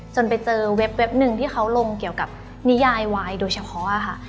จนไปเจอเว็บหนึ่งที่เขาลงเกี่ยวกับนิยายวายโดยเฉพาะค่ะ